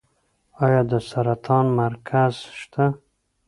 آیا د سرطان مرکز شته؟